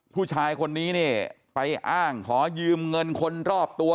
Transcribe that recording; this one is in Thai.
ผู้ชายคนนี้เนี่ยไปอ้างขอยืมเงินคนรอบตัว